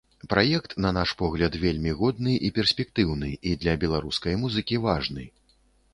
Праект, на наш погляд, вельмі годны і перспектыўны, і для беларускай музыкі важны.